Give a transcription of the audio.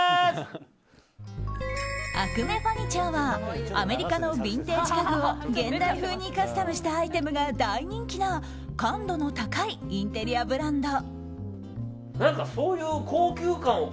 アクメファニチャーはアメリカのビンテージ家具を現代風にカスタムしたアイテムが大人気な感度の高いインテリアブランド。